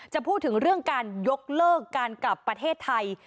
จะพูดถึงเรื่องการยกเลิกการกลับประเทศไทย